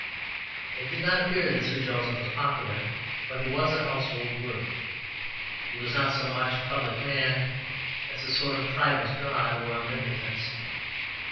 It did not appear that Sir Joseph was popular, but he was "a household word." He was not so much a public man as a sort of private god or omnipotence.